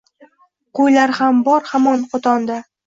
Qo‘ylar ham bor hamon qo‘tonda